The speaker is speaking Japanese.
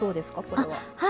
これは。